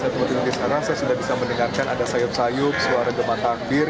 dan kalau saya berhenti sekarang saya sudah bisa mendengarkan ada sayup sayup suara gemar takdir